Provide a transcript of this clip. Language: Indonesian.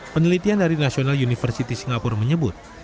penelitian dari national university singapura menyebut